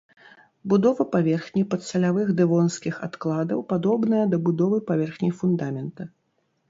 Будова паверхні падсалявых дэвонскіх адкладаў падобная да будовы паверхні фундамента.